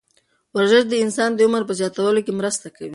ورزش د انسان د عمر په زیاتولو کې مرسته کوي.